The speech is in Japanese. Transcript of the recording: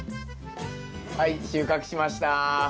はい収穫しました。